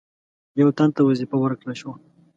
یو تن ته وظیفه ورکړه شوه.